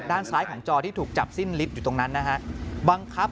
ด้านซ้ายของจอที่ถูกจับสิ้นลิฟต์อยู่ตรงนั้นนะฮะบังคับ